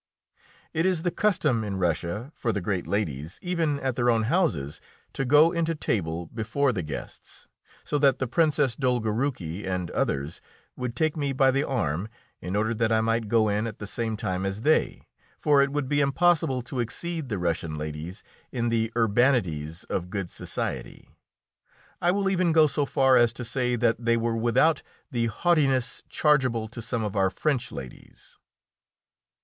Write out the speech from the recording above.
It is the custom in Russia for the great ladies, even at their own houses, to go into table before the guests, so that the Princess Dolgoruki and others would take me by the arm, in order that I might go in at the same time as they, for it would be impossible to exceed the Russian ladies in the urbanities of good society. I will even go so far as to say that they are without the haughtiness chargeable to some of our French ladies.